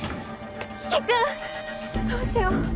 四鬼君どうしよう。